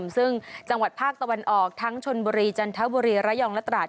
ซึ่งจังหวัดภาคตะวันออกทั้งชนบุรีจันทบุรีระยองและตราด